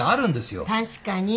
確かに。